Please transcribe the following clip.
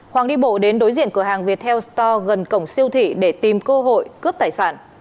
hoàng đi bộ đến đối diện cửa hàng viettel store gần cổng siêu thị để tìm cơ hội cướp tài sản